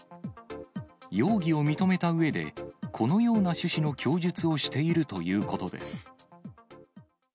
容疑を認めたうえで、このような趣旨の供述をしているということです。